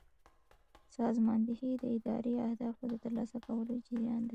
سازماندهي د اداري اهدافو د ترلاسه کولو جریان دی.